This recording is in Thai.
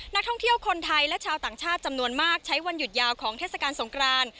นักท่องเที่ยวคนไทยและชาวต่างชาติจำนวนมากใช้วันหยุดยาวของเทศกาลสงคราน